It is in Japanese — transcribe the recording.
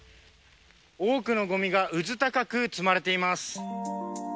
多くのごみがうずたかく積まれています。